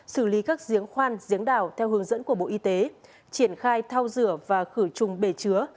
xử lý các giếng khoan giếng đào theo hướng dẫn của bộ y tế triển khai thao rửa và khử trùng bể chứa